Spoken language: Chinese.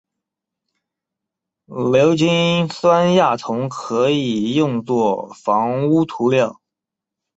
硫氰酸亚铜可以用作防污涂料。